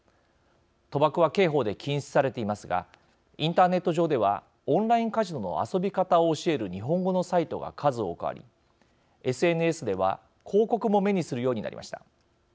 賭博は刑法で禁止されていますがインターネット上ではオンラインカジノの遊び方を教える日本語のサイトが数多くありＳＮＳでは広告も目にするようになりました。